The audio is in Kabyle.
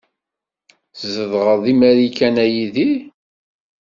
Tzedɣeḍ deg Marikan a Yidir?